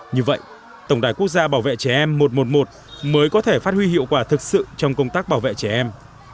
như vậy tổng đài quốc gia bảo vệ trẻ em một trăm một mươi một mới có thể phát huy hiệu quả thực sự trong công tác bảo vệ trẻ em